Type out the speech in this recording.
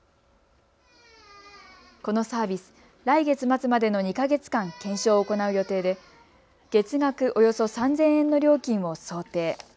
このサービス、来月末までの２か月間、検証を行う予定で、月額およそ３０００円の料金を想定。